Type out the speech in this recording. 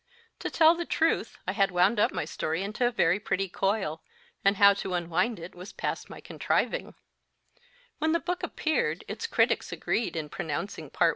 To tell the truth, I had wound up my story into a very pretty coil, and how to unwind it was past my contriving When the book appeared, its critics agreed in pronouncing Part I.